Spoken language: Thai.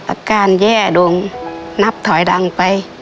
สัตว์การแย่ดวงนับถอยดังไป